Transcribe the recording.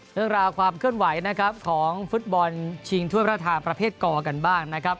เรื่องราวความเคลื่อนไหวนะครับของฟุตบอลชิงถ้วยประธานประเภทกกันบ้างนะครับ